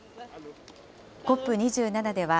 ＣＯＰ２７では、